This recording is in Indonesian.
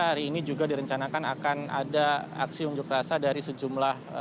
hari ini juga direncanakan akan ada aksi unjuk rasa dari sejumlah